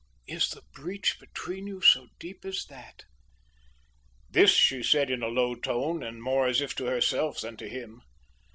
"Is the breach between you so deep as that!" This she said in a low tone and more as if to herself than to him.